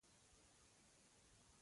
بیچاره داوودزی صیب پوه شوي نه و.